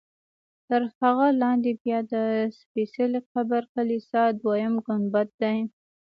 تر هغه لاندې بیا د سپېڅلي قبر کلیسا دویم ګنبد دی.